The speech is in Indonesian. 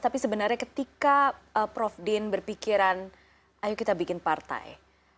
tapi sebenarnya ketika prof din berpikiran ayo kita bikin partai